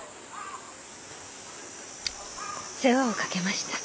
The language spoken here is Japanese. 世話をかけました。